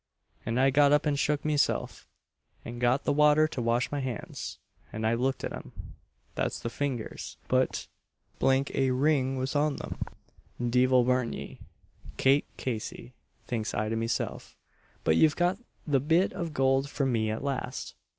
And I got up and shook meself, and got the water to wash my hands, and I looked at 'em that's the fingers, but d l a ring was on 'em! 'Deevle burn ye, Kate Casey,' thinks I to myself, 'but ye've got the bit of gould from me at last!'